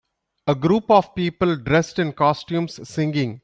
A group of people dressed in costumes singing.